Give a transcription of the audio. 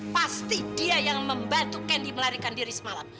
pasti dia yang membantu kendi melarikan diri semalam